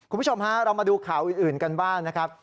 คุณผู้ชมฮะเรามาดูข่าวอื่นกันบ้างนะครับ